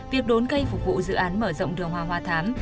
việc đốn cây phục vụ dự án mở rộng đường hoàng hòa thám